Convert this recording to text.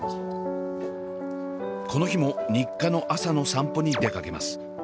この日も日課の朝の散歩に出かけます。